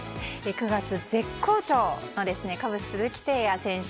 ９月絶好調のカブス鈴木誠也選手。